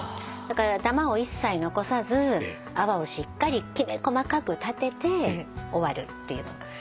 だからダマを一切残さず泡をしっかりきめ細かくたてて終わるっていうのが。